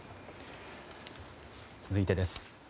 続いてです。